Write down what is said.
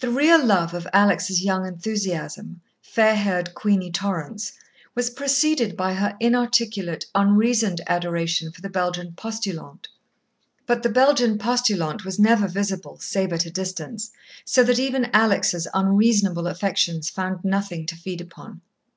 The real love of Alex' young enthusiasm, fair haired Queenie Torrance, was preceded by her inarticulate, unreasoned adoration for the Belgian postulante. But the Belgian postulante was never visible, save at a distance, so that even Alex' unreasonable affections found nothing to feed upon.